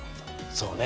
そうね。